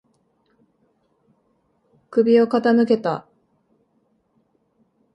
首を傾けた。